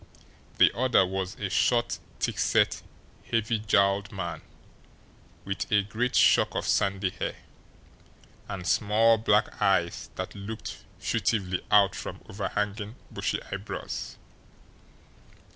The other was a short, thickset, heavy jowled man, with a great shock of sandy hair, and small black eyes that looked furtively out from overhanging, bushy eyebrows.